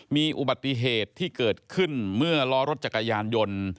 มีอุบัติเหตุที่เกิดขึ้นเมื่อล้อรถจักรยานยนต์